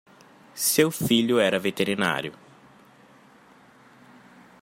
Seu filho era veterinário